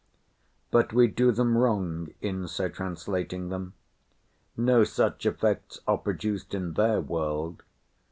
But we do them wrong in so translating them. No such effects are produced in their world.